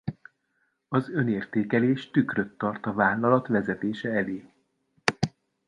Az önértékelés tükröt tart a vállalat vezetése elé.